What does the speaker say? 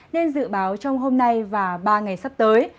nên dự báo trong hôm nay và ba ngày sắp tới